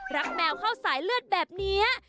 แมวเข้าสายเลือดแบบนี้